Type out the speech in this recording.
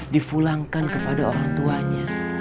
difulangkan kepada orang tuanya